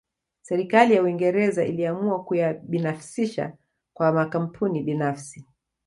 Serikali ya Uingereza iliamua kuyabinafsisha kwa makampuni binafsi